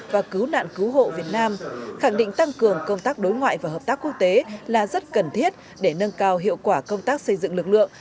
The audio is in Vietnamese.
và cứu nạn cứu hộ việt nam khẳng định tăng cường công tác đối ngoại và hợp tác quốc tế là rất cần thiết để nâng cao hiệu quả công tác xây dựng lực lượng